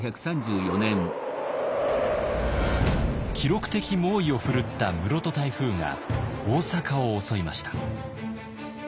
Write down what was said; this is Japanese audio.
記録的猛威を振るった室戸台風が大阪を襲いました。